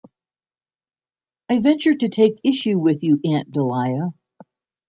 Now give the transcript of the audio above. I venture to take issue with you, Aunt Dahlia.